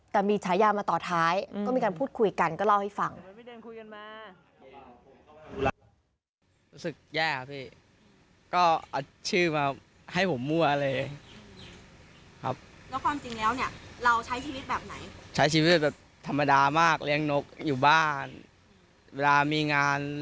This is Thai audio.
แต่มีฉายามาต่อท้ายก็มีการพูดคุยกันก็เล่าให้ฟัง